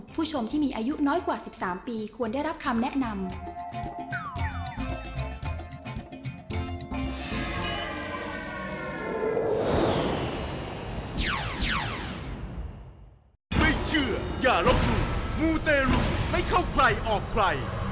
ผู้ชมที่มีอายุน้อยกว่า๑๓ปีควรได้รับคำแนะนำ